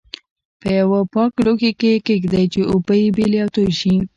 په یوه پاک لوښي کې یې کېږدئ چې اوبه یې بېلې او توی شي.